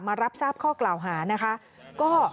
รับทราบข้อกล่าวหานะคะ